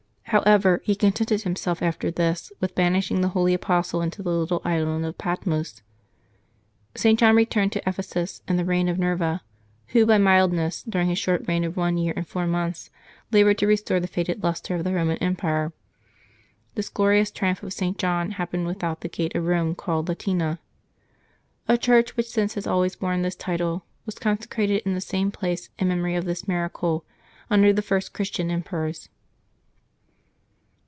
However, he contented himself after this with banishing the holy apostle into the little island of Patmos. St. John returned to Ephesus, in the reign of Nerva, who by mildness, during his short reign of one year and four months, labored to restore the faded lustre of the Eoman Empire. This glorious triumph of St. John happened without the gate of Rome called Latina. A church which since has always borne this title was consecrated in the same place in memory of this miracle, under the first Christian em perors.